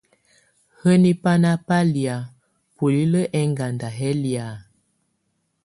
Hǝ́niǝ banà ba lɛ̀á bulilǝ́ ɛŋganda yɛ̀ lɛ̀á?